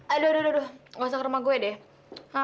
aduh aduh aduh gak usah ke rumah gue deh